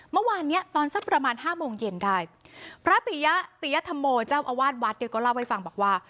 เมื่อวานเนี้ยตอนสักประมาณห้าโมงเย็นได้พระปิยะติยธรรมโมเจ้าอาวาสวัดเนี่ยก็เล่าให้ฟังบอกว่า